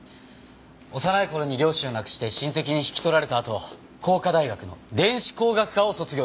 幼い頃に両親を亡くして親戚に引き取られたあと工科大学の電子工学科を卒業しています。